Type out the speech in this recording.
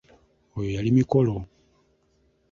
Oyo yali Mikolo.